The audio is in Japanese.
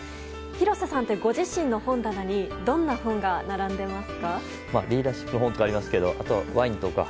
廣瀬さんってご自身の本棚にどんな本が並んでいますか？